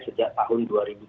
sejak tahun dua ribu tujuh